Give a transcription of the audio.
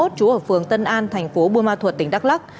trú ở phường tân an thành phố buôn ma thuật tỉnh đắk lắc